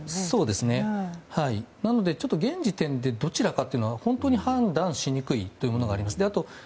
そうですね、なので現時点でどちらかというのは本当に判断しにくいものがあります。